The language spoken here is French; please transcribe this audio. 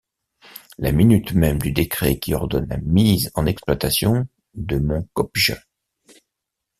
La minute même du décret qui ordonne la mise en exploitation de mon Kopje!...